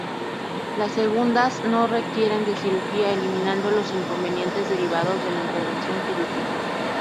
Las segundas no requieren de cirugía eliminando los inconvenientes derivados de la intervención quirúrgica.